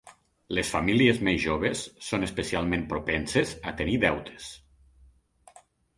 Les famílies més joves són especialment propenses a tenir deutes.